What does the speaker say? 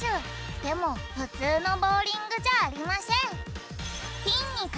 でもふつうのボウリングじゃありましぇん